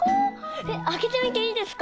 えっあけてみていいですか？